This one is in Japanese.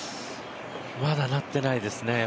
まだなってないですね。